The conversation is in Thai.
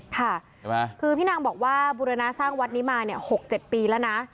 ค่ะคือพี่นางบอกว่าบูรณาสร้างวัดนี้มา๖๗ปีแล้วนะ